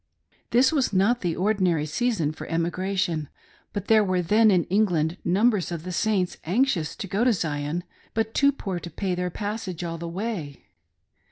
This was not the ordinary season for emigration, but there were then in England numbers of the Saints, anxious to go to Zion, but too poor to pay their passage all the way.